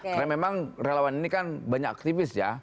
karena memang relawan ini kan banyak aktivis ya